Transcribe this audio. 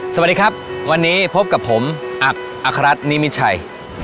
สวัสดีครับวันนี้พบกับผมอักอัครัตนิมิตรชัย